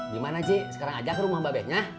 gimana ji sekarang aja ke rumah mbak bet ya